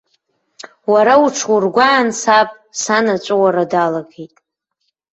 Уара уҽургәаан, саб, сан аҵәуара далагеит.